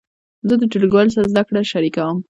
زه د ټولګیوالو سره زده کړه شریکوم.